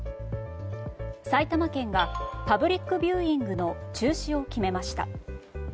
埼玉県がパブリックビューイングの中止を決めました。